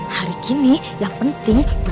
hari gini yang penting duit duit duit